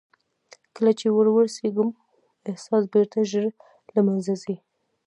کله چې ور رسېږم احساس بېرته ژر له منځه ځي.